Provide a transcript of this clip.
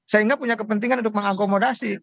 sehingga punya kepentingan untuk mengakomodasi